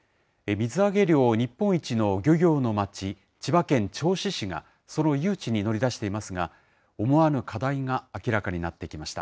水揚げ量日本一の漁業の町、千葉県銚子市がその誘致に乗り出していますが、思わぬ課題が明らかになってきました。